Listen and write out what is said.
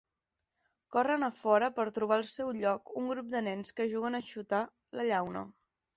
Corren a fora per trobar al seu lloc un grup de nens que juguen a xutar la llauna.